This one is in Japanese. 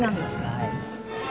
はい。